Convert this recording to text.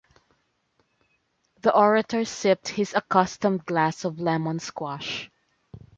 The orator sipped his accustomed glass of lemon-squash.